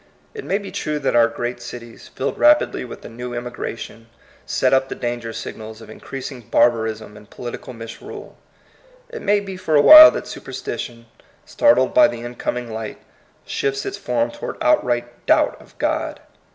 It may be true that our great cities, filled rapidly with a new emigration, set up the danger signals of increasing barbarism and political misrule. It may be for a while that superstition, startled by the incoming light, shifts its form toward outright doubt of God.